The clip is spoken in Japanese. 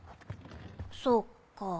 そっか。